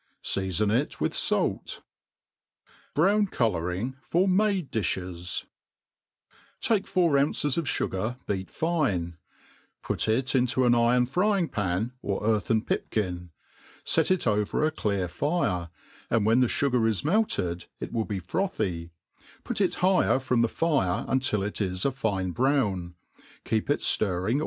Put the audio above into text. Seafon it with fait. Brown Colouring for fAode £Jbit» TAKE four ounces of fugar, beat fine; put it into an iron frying pan, or earthen pipkirt'; fet ii Qvct a clear fire, and wbeii the fugac' Id melted it will bb frothy ; put it higher from the £re until it is a fine brown; keep itdirring.